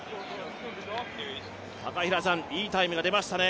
いいタイムが出ましたね。